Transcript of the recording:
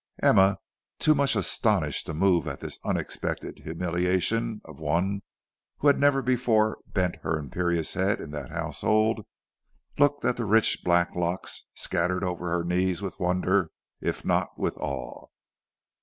Emma, too much astonished to move at this unexpected humiliation of one who had never before bent her imperious head in that household, looked at the rich black locks scattered over her knees with wonder if not with awe.